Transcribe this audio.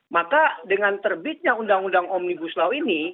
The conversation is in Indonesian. maka dengan terbitnya undang undang omnibus law ini